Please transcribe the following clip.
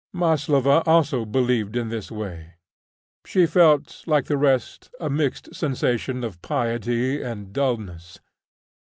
Maslova also believed in this way. She felt, like the rest, a mixed sensation of piety and dulness.